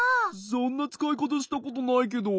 そんなつかいかたしたことないけど。